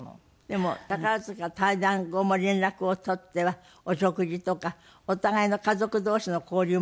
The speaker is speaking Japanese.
でも宝塚退団後も連絡を取ってはお食事とかお互いの家族同士の交流もあったんですって？